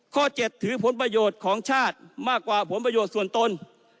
๗ถือผลประโยชน์ของชาติมากกว่าผลประโยชน์ส่วนตน